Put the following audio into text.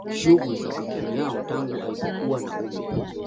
shughuli za kampuni yao tangu alipokuwa na umri